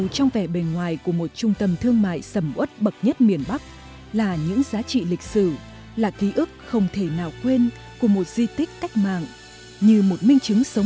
trong cuộc chiến không cần sức ấy điều làm nên chiến sĩ là kinh nghiệm quý báu trong tác chiến phòng ngựa